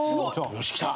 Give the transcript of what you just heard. よしきた！